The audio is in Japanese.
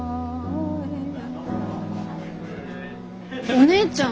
お姉ちゃん。